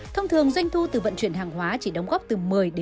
thông thường doanh thu từ vận chuyển hàng hóa chỉ đóng góp từ một mươi một mươi năm